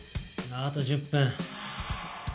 あと１０分。